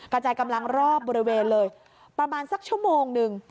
กระจายกำลังรอบบริเวณเลยประมาณสักชั่วโมงหนึ่ง